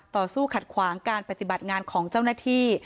ต่อสู้ขัดขวางการปฏิบัติงานของเจ้าหน้าที่